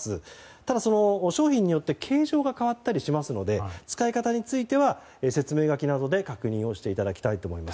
ただ、商品によって形状が変わったりしますので使い方については説明書きなどで確認をしていただきたいと思います。